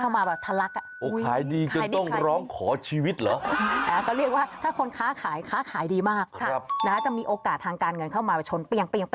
มาขายโอ้โฮให้เตรียมผ้าซัปเหงือเอาไว้เลย